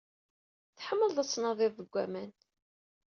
Tḥemmleḍ ad tnadiḍ deg aman.